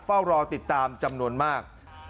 เฝ้ารอติดตามจำนวนมาก